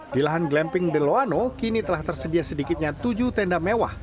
di lahan glamping de loano kini telah tersedia sedikitnya tujuh tenda mewah